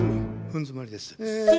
フンづまりです。